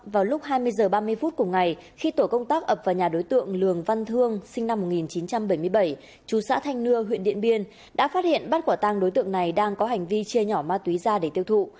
vào lúc hai mươi h ba mươi phút cùng ngày khi tổ công tác ập vào nhà đối tượng lường văn thương sinh năm một nghìn chín trăm bảy mươi bảy chú xã thanh nưa huyện điện biên đã phát hiện bắt quả tăng đối tượng này đang có hành vi chia nhỏ ma túy ra để tiêu thụ